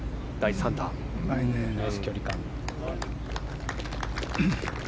ナイス距離感。